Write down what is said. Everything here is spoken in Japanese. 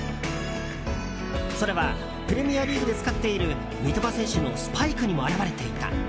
それはプレミアリーグで使っている三笘選手のスパイクにも表れていた。